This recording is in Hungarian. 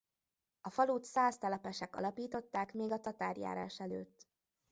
A falut szász telepesek alapították még a tatárjárás előtt.